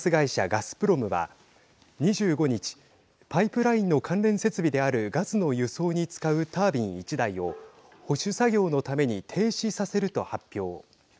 ガスプロムは２５日パイプラインの関連設備であるガスの輸送に使うタービン１台を保守作業のために停止させると発表。